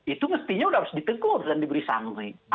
itu mestinya sudah harus ditegur dan diberi sanksi